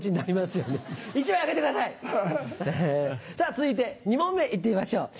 続いて２問目行ってみましょう。